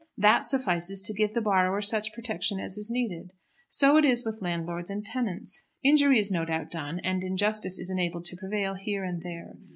That suffices to give the borrower such protection as is needed. So it is with landlords and tenants. Injury is no doubt done, and injustice is enabled to prevail here and there.